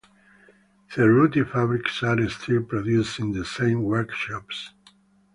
Cerruti fabrics are still produced in the same workshops.